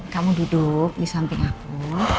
kamu duduk di samping aku